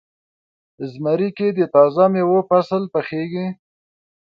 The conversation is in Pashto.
زمری کې د تازه میوو فصل پخیږي.